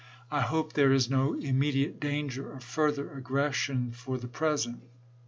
" I hope there is no immediate danger of further aggression for the present."